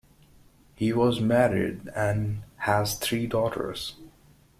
He was married and has three daughters.